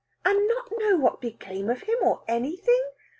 "And not know what became of him, or anything?